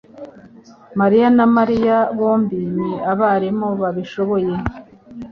mariya na Mariya bombi ni abarimu babishoboye